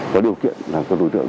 có điều kiện là các đối tượng